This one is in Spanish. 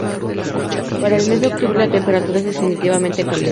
Para el mes de octubre la temperatura es definitivamente caliente.